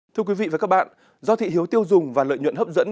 thưa quý vị và các bạn do thị hiếu tiêu dùng và lợi nhuận hấp dẫn